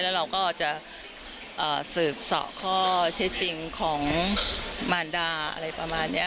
แล้วเราก็จะสืบเสาะข้อเท็จจริงของมารดาอะไรประมาณนี้